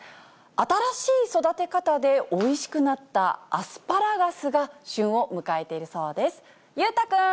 新しい育て方で、おいしくなったアスパラガスが旬を迎えているそうです。